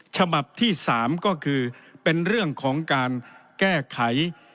ฉบับที่๓ก็คือเป็นเรื่องของการแก้ไข